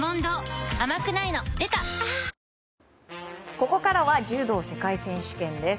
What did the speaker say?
ここからは柔道世界選手権です。